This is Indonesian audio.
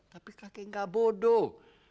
tapi kakek nggak bodoh